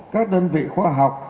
các đơn vị khoa học